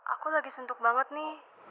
aku lagi suntuk banget nih